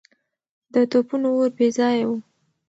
د توپونو اور بې ځایه و.